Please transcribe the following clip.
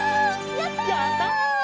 やった！